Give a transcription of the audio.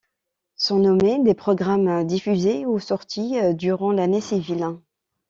Sont nommés des programmes diffusé ou sorti durant l'année civile.